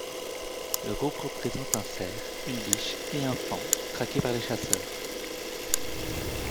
Le groupe représente un cerf, une biche et un faon, traqués par des chasseurs.